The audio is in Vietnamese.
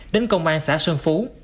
đến công an xã sơn phú